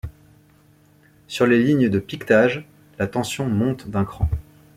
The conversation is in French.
Sur les lignes de piquetage, la tension monte d'un cran.